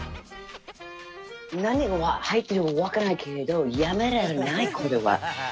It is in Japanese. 何が入ってるかわからないけれどやめられない！